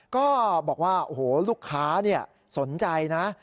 ก็บอกว่าโอ้โหลูกค้าสนใจนะ